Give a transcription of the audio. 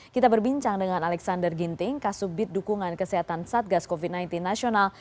kita berbincang dengan alexander ginting kasubit dukungan kesehatan satgas covid sembilan belas nasional